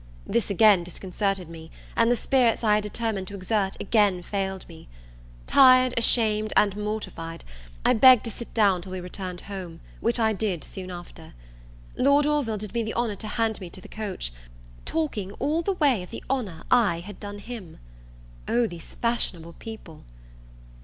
This again disconcerted me; and the spirits I had determined to exert, again failed me. Tired, ashamed, and mortified, I begged to sit down till we returned home, which I did soon after. Lord Orville did me the honour to hand me to the coach, talking all the way of the honour I had done him! O these fashionable people!